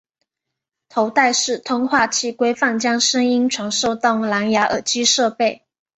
头戴式通话器规范将声音传送到蓝芽耳机设备。